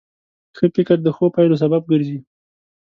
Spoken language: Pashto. ښه فکر د ښو پایلو سبب ګرځي.